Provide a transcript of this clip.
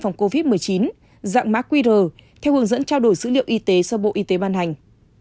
phòng covid một mươi chín dạng mã qr theo hướng dẫn trao đổi dữ liệu y tế do bộ y tế ban hành